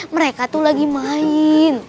mereka tuh lagi main